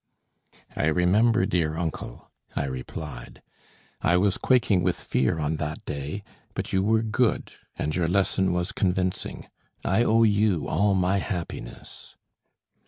"I remember, dear uncle," I replied. "I was quaking with fear on that day; but you were good, and your lesson was convincing. I owe you all my happiness."